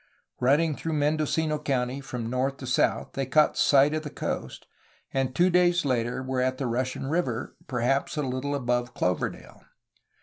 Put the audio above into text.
Riding through Men docino County from north to south they caught sight of the coast, and two days later were at the Russian River, perhaps a little above Cloverdale.